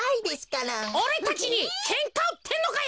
おれたちにけんかうってんのかよ！